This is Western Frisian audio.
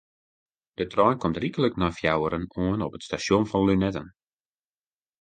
De trein komt ryklik nei fjouweren oan op it stasjon fan Lunetten.